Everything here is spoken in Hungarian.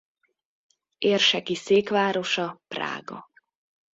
Érseki székvárosa Prága.